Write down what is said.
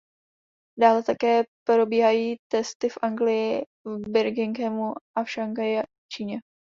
Dále také probíhají testy v Anglii v Birminghamu a v Šanghaji v Číně.